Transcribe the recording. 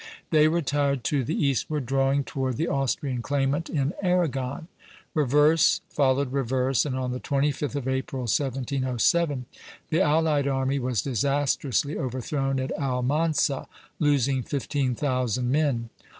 They retired to the eastward, drawing toward the Austrian claimant in Aragon. Reverse followed reverse, and on the 25th of April, 1707, the allied army was disastrously overthrown at Almansa, losing fifteen thousand men.